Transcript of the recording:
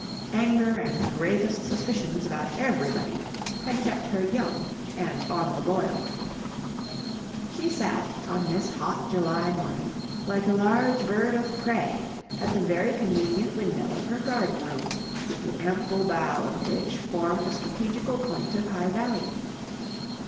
Anger and the gravest suspicions about everybody had kept her young and on the boil. She sat, on this hot July morning, like a large bird of prey at the very convenient window of her garden room, the ample bow of which formed a strategical point of high value.